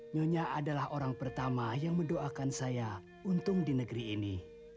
nyonya adalah orang pertama yang mendoakan saya untung di negeri ini